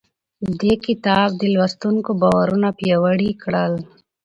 دې کتاب د لوستونکو باورونه پیاوړي کړل.